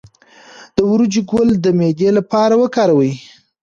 د وریجو ګل د معدې لپاره وکاروئ